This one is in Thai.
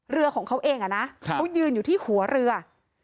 เรือของเขาเองเขายืนอยู่ที่หัวเรือ